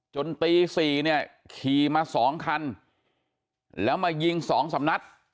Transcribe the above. จนตี๔เนี่ยขี่มาสองคันแล้วมายิง๒๓นัด